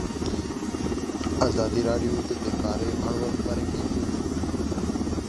ازادي راډیو د بیکاري اړوند مرکې کړي.